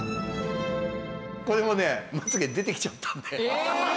これもねまつ毛出てきちゃった。